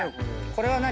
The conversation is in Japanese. これは何？